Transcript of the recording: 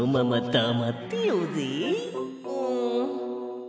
うん。